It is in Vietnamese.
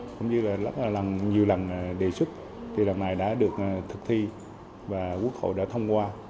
cũng như là rất là nhiều lần đề xuất thì lần này đã được thực thi và quốc hội đã thông qua